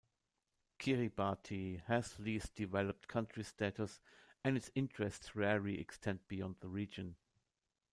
Kiribati has Least Developed Country Status and its interests rarely extend beyond the region.